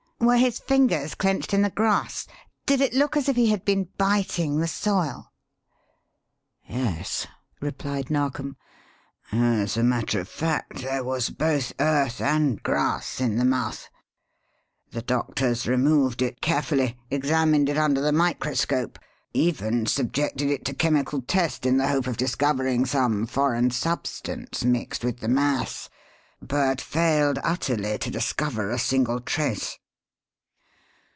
Were his fingers clenched in the grass? Did it look as if he had been biting the soil?" "Yes," replied Narkom. "As a matter of fact there was both earth and grass in the mouth. The doctors removed it carefully, examined it under the microscope, even subjected it to chemical test in the hope of discovering some foreign substance mixed with the mass, but failed utterly to discover a single trace."